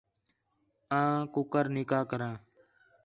آں کُکر نکاح کراں